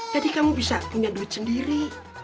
jadi kamu bisa punya duit sendiri